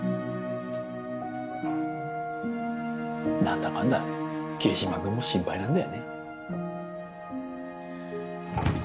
何だかんだ桐島君も心配なんだよね。